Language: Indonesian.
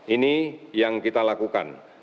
ini yang kita lakukan